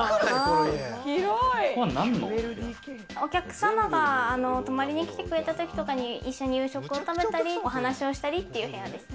お客様が泊まりに来てくれたときとかに一緒に夕食を食べたり、お話をしたりっていう部屋ですね。